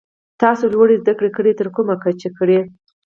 تاسو لوړي زده کړي تر کومه کچه کړي ؟